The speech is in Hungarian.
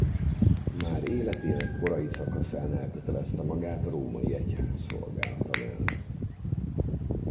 Már életének korai szakaszán elkötelezte magát a római egyház szolgálata mellett.